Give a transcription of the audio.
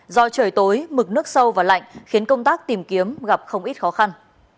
do trời tối mực nước sâu và lạnh khiến công tác tìm kiếm gặp không ít khó khăn